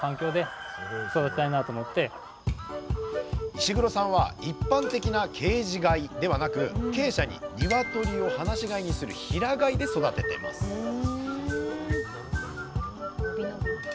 石黒さんは一般的なケージ飼いではなく鶏舎に鶏を放し飼いにする「平飼い」で育てていますふんのびのび。